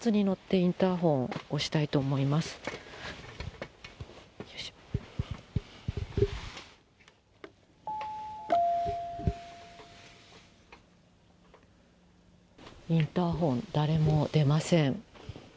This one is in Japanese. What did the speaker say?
インターフォン、誰も出ません。